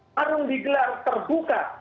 harum digelar terbuka